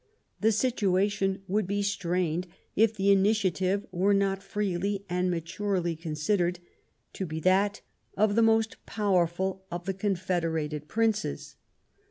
The situation would be strained if the initiative were not, freely and maturely considered, to be that of the most powerful of the confederated Princes."